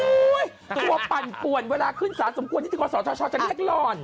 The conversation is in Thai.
โอ้ยตัวปั่นป่วนเวลาขึ้นสารสมควรที่ที่ขอสอดชอบจะเรียกหล่อน